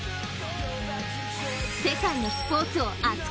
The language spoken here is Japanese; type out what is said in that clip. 「世界のスポーツを熱く！